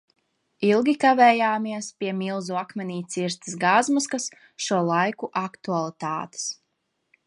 Ilgi kavējamies pie milzu akmenī cirstas gāzmaskas, šo laiku aktualitātes.